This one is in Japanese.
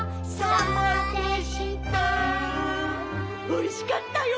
おいしかったよ！